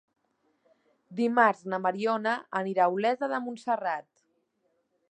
Dimarts na Mariona anirà a Olesa de Montserrat.